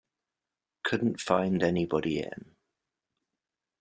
Couldn't find anybody in.